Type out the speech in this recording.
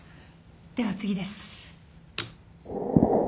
では次です。